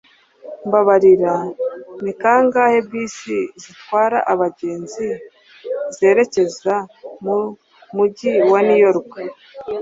Mbabarira. Ni kangahe bisi zitwara abagenzi zerekeza mu mujyi wa New York?